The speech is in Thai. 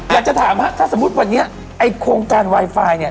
อยากจะถามฮะถ้าสมมุติวันนี้ไอ้โครงการไวไฟเนี่ย